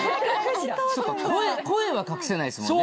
そっか声は隠せないですもんね。